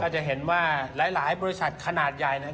จะเห็นว่าหลายบริษัทขนาดใหญ่